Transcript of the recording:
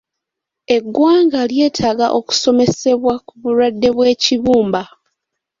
Eggwanga lyeetaaga okusomesebwa ku bulwadde bw'ekibumba.